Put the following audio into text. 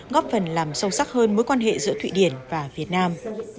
góp phần làm sâu sắc hơn mối quan hệ giữa thụy điển và việt nam